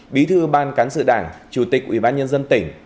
bí thư ban cán sự đảng chủ tịch ủy ban nhân dân tỉnh